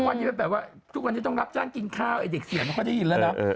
ทุกวันนี้แบบว่าทุกวันนี้ต้องรับจ้างกินข้าวไอ้เด็กเสียนเขาจะยินแล้วนะ